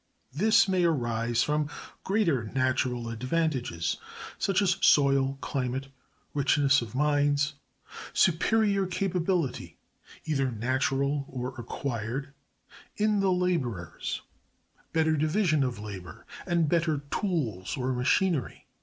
This may arise from greater natural advantages (such as soil, climate, richness of mines); superior capability, either natural or acquired, in the laborers; better division of labor, and better tools, or machinery.